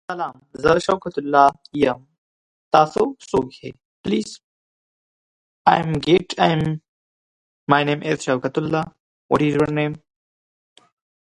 The two met while working at McDonald's in Sydney.